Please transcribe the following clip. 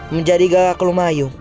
menjadi gagak lumayu